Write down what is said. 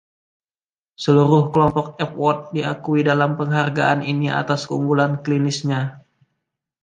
Seluruh kelompok Epworth diakui dalam penghargaan ini atas keunggulan klinisnya.